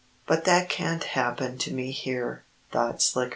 "But that can't happen to me here," thought Slicko.